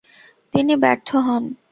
তিনি ব্যর্থ হন।